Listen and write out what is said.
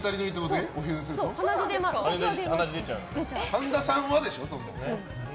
神田さんはでしょ、それは。